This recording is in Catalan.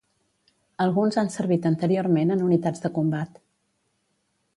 Alguns han servit anteriorment en unitats de combat.